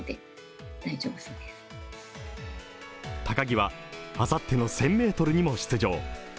高木は、あさっての１０００ｍにも出場。